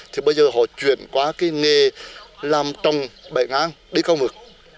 thì bây giờ họ chuyển qua cái nghề làm trồng bệnh an đi cầu mực